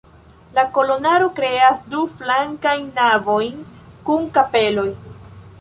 La kolonaro kreas du flankajn navojn kun kapeloj.